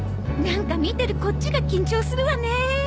なんか見てるこっちが緊張するわね。